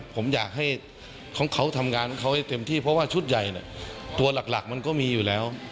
ผมอยากให้เขาทำงานของเขาให้เต็มที่เพราะว่าชุดใหญ่ตัวหลักมันก็มีอยู่แล้ว